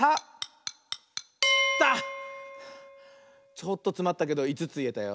ちょっとつまったけど５ついえたよ。